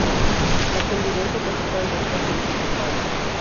La convivencia con su padre es casi insoportable.